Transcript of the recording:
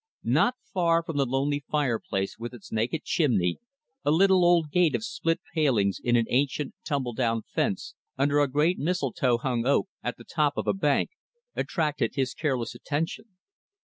Not far from the lonely fireplace with its naked chimney, a little, old gate of split palings, in an ancient tumble down fence, under a great mistletoe hung oak, at the top of a bank attracted his careless attention.